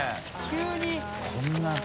急に。